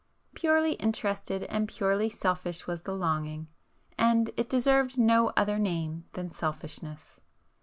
Purely interested and purely selfish was the longing,—and it deserved no other name than selfishness.